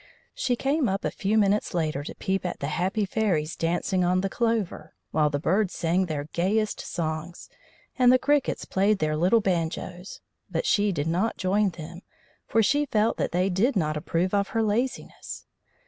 She came up a few minutes later to peep at the happy fairies dancing on the clover, while the birds sang their gayest songs, and the crickets played their little banjos; but she did not join them, for she felt that they did not approve of her laziness.